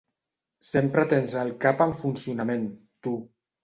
Sempre tens el cap en funcionament, tu.